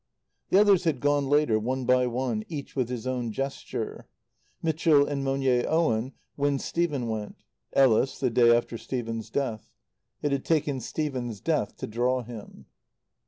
The others had gone later, one by one, each with his own gesture: Mitchell and Monier Owen when Stephen went; Ellis the day after Stephen's death. It had taken Stephen's death to draw him.